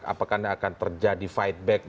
apakah ini akan terjadi fight back